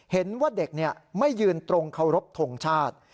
เห็นว่าเด็กไม่ยืนตรงเคารพทงชาติ